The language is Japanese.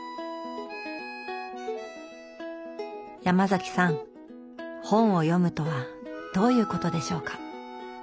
ヤマザキさん本を読むとはどういうことでしょうか？